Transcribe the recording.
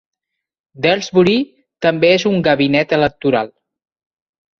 Daresbury també és un gabinet electoral.